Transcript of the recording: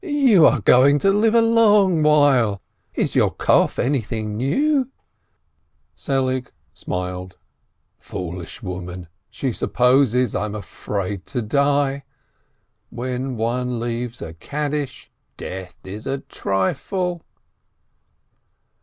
"You are going to live a long while ! Is your cough anything new ?" 424 RAISIN Selig smiled, "Foolish woman, she supposes I am afraid to die. When one leaves a Kaddish, death is a trifle."